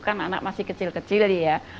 kan anak masih kecil kecil ya